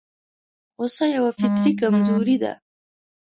غوسه يوه فطري کمزوري ده.